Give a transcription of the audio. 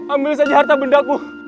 ambil saja harta bendaku